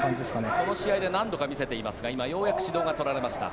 この試合で何度か見せていますが今、ようやく指導が来ました。